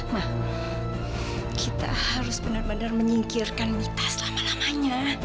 ma kita harus benar benar menyingkirkan mita selama lamanya